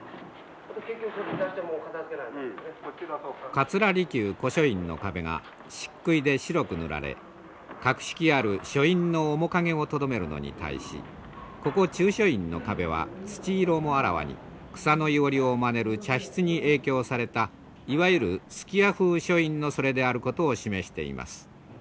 桂離宮古書院の壁が漆喰で白く塗られ格式ある書院の面影をとどめるのに対しここ中書院の壁は土色もあらわに草の庵をまねる茶室に影響されたいわゆる数寄屋風書院のそれであることを示しています。